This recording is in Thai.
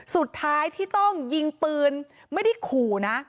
สุดท้ายที่ต้องยิงปืนไม่ได้ขู่นะ